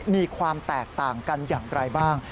มีความแตกต่างกันอย่างไรบ้าง